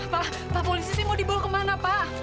pak pak polisi ini mau dibawa kemana pak